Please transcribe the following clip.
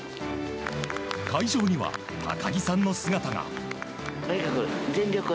会場には高木さんの姿が。